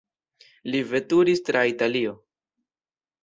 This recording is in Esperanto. Li veturis tra Italio.